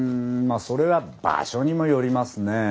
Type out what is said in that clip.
あそれは場所にもよりますね。